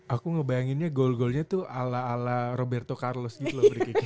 aku ngebayanginnya goal goalnya tuh ala ala roberto carlos gitu loh